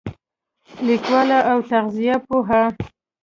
لیکواله او تغذیه پوهه